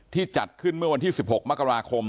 จัดขึ้นเมื่อวันที่๑๖มกราคม